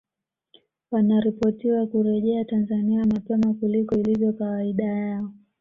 Wanaripotiwa kurejea Tanzania mapema kuliko ilivyo kawaida yao